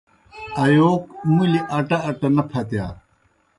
ایَوک مُلیْ اٹہ اٹہ نہ پھتِیا۔